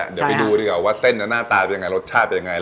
ไว้ดูสิก็ว่าเส้นมันหน้าตายเป็นยังไงรสชาติเป็นยังไง